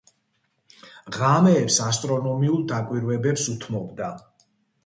ღამეებს ასტრონომიულ დაკვირვებებს უთმობდა.